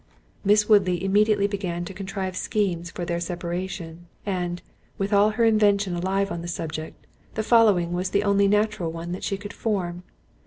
Miss Woodley immediately began to contrive schemes for their separation; and, with all her invention alive on the subject, the following was the only natural one that she could form.